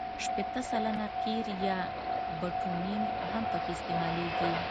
شپېته سلنه قیر یا بټومین هم پکې استعمالیږي